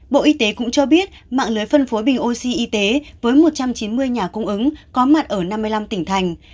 bộ y tế cũng cho biết mạng lưới phân phối bình oxy y tế với một trăm chín mươi nhà cung ứng có mặt ở năm mươi năm tỉnh thành